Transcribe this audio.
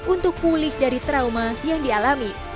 untuk pulih dari trauma yang dialami